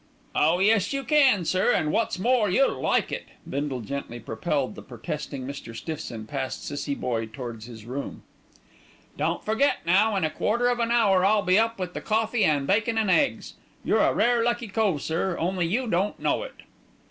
"Oh, yes you can, sir, an' wot's more you'll like it." Bindle gently propelled the protesting Mr. Stiffson past Cissie Boye towards his room. "Don't forget now, in a quarter of an hour, I'll be up with the coffee an' bacon an' eggs. You're a rare lucky cove, sir, only you don't know it."